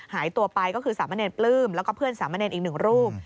หายตัวไปก็คือสามะเนรปลื้มแล้วก็เพื่อนสามเณรอีกหนึ่งรูป